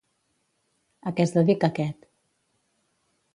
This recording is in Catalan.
A què es dedica aquest?